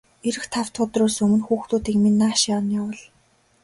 Ирэх тав дахь өдрөөс өмнө хүүхдүүдийг минь нааш нь явуул.